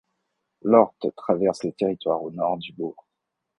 L'Orthe traverse le territoire au nord du bourg.